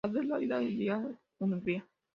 Adelaida de Díaz Ungría.